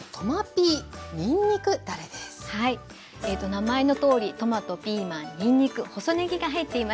名前のとおりトマトピーマンにんにく細ねぎが入っています。